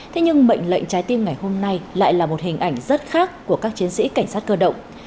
thế nhưng mệnh lệnh trái tim ngày hôm nay lại là một hình ảnh rất khác của các chiến sĩ cảnh sát cơ động